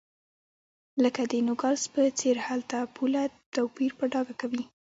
لکه د نوګالس په څېر هلته پوله توپیر په ډاګه کوي.